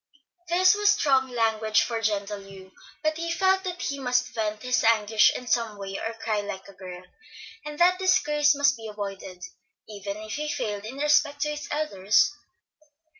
This was strong language for gentle Hugh, but he felt that he must vent his anguish in some way or cry like a girl; and that disgrace must be avoided, even if he failed in respect to his elders.